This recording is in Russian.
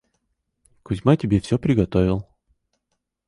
Кузьма тебе всё приготовил.